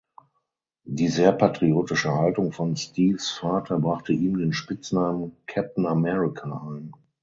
Die sehr patriotische Haltung von Steves Vater brachte ihm den Spitznamen „Captain America“ ein.